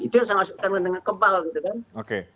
itu yang saya maksudkan dengan kebal gitu kan